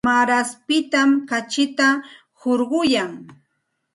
Maaraspitam kachita hurquyan.